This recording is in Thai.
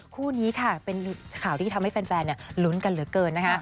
คู่นี้ค่ะเป็นข่าวที่ทำให้แฟนลุ้นกันเหลือเกินนะคะ